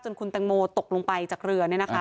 จนคุณแตงโมตกลงไปจากเรือนี่นะคะ